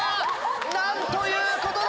何ということだ！